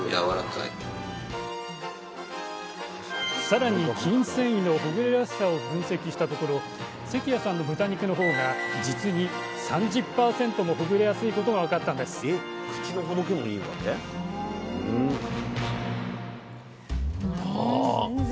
さらに筋線維のほぐれやすさを分析したところ関谷さんの豚肉の方が実に３０％もほぐれやすいことが分かったんですああ